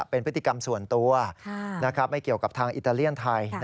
เป็นพฤติกรรมส่วนตัวไม่เกี่ยวกับทางอิตาเลียนไทย